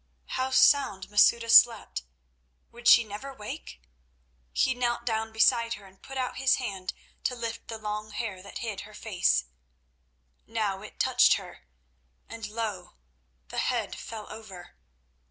How sound Masouda slept! Would she never wake? He knelt down beside her and put out his hand to lift the long hair that hid her face. Now it touched her, and lo! the head fell over.